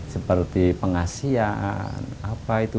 seperti pengasian apa itu